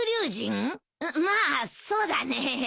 まあそうだね。